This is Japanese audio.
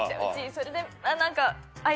それで何か。